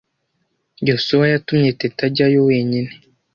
Yosuwa yatumye Teta ajyayo wenyine.